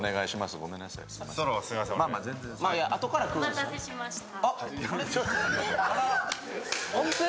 お待たせしました。